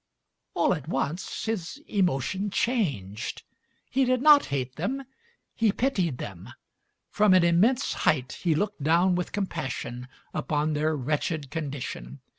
All at once his emotion changed: he did not hate them, he pitied them. From an immense height he looked down with compassion upon their wretched condition.